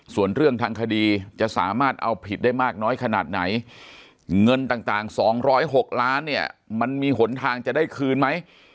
ส่วนเรื่องทางคดีจะสามารถเอาผิดได้มากน้อยขนาดไหนเงินต่าง๒๐๖ล้านเนี่ยมันมีหนทางจะได้คืนไหม